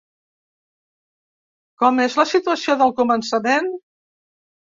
Com és la situació del començament?